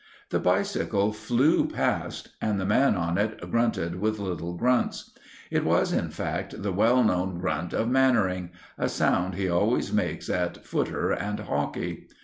The bicycle flew past and the man on it grunted with little grunts. It was, in fact, the well known grunt of Mannering—a sound he always makes at footer and hockey.